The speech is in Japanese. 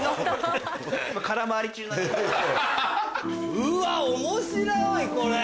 うわ面白いこれ！